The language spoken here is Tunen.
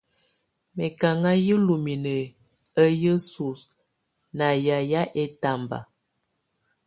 Mɛkaŋa yɛ̀ ululininǝ á yǝsu ná yayɛ̀á ɛtamba.